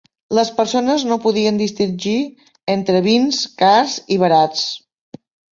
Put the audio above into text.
"Les persones no podien distingir entre vins cars i barats".